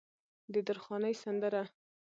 د درخانۍ سندره